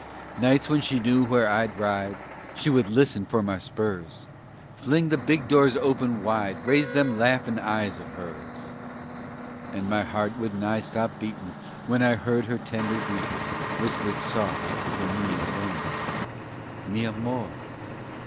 Nights when she knew where I'd ride She would listen for my spurs, Fling the big door open wide, Raise them laughin' eyes of hers And my heart would nigh stop beatin' When I heard her tender greetin', Whispered soft for me alone "Mi amor!